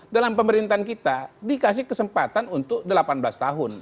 dalam pemerintahan kita dikasih kesempatan untuk delapan belas tahun